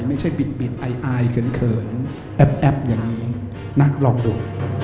ไม่ใช่ปิดอายเขินแอ๊บอย่างนี้นะลองดู